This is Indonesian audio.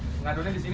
ini pengadulnya disini